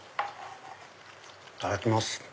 いただきます。